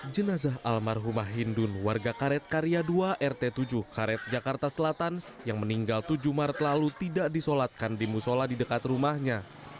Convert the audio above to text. jenazah almarhumah hindun warga karet karya dua rt tujuh karet jakarta selatan yang meninggal tujuh maret lalu tidak disolatkan di musola di dekat rumahnya